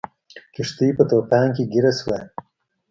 کښتۍ په طوفان کې ګیره شوه.